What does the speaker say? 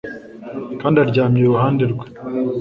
kandi aryamye iruhande rwe